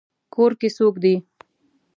کور کې څوک دی؟